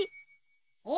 お！